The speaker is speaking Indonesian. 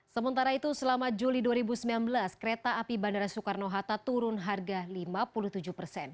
sementara itu selama juli dua ribu sembilan belas kereta api bandara soekarno hatta turun harga lima puluh tujuh persen